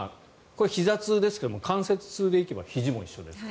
これ、ひざ痛ですが関節痛でいえばひじも同じです。